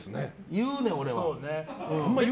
言うね、俺は。